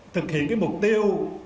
thực hiện cái mục tiêu